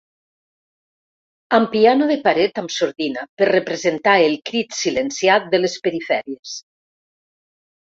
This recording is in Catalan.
Amb piano de paret amb sordina, per representar el crit silenciat de les perifèries.